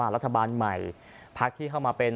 รัฐบาลใหม่พักที่เข้ามาเป็น